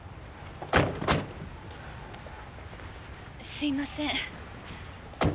すいません。